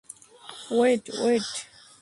Wait, wait.